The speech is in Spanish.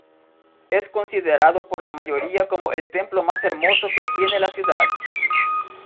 Es considerado por la mayoría como el templo más hermoso que tiene la ciudad.